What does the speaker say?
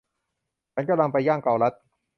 ฉันกำลังไปย่างเกาลัด